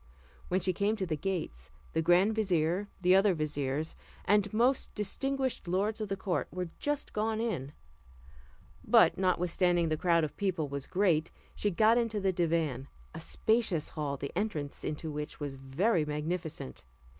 When she came to the gates, the grand vizier, the other viziers, and most distinguished lords of the court were just gone in; but notwithstanding the crowd of people was great, she got into the divan, a spacious hall, the entrance into which was very magnificent.